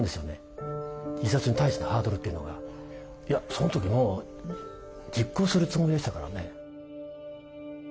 その時もう実行するつもりでしたからね。